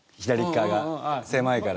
狭いから。